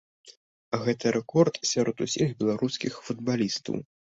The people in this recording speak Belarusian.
Гэта рэкорд сярод усіх беларускіх футбалістаў.